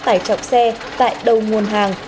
tải trọng xe tại đầu nguồn hàng